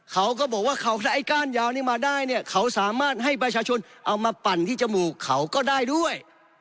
เขาก็บอกว่าเขาถ้าไอ้ก้านยาวนี้มาได้เนี่ยเขาสามารถให้ประชาชนเอามาปั่นที่จมูกเขาก็ได้ด้วย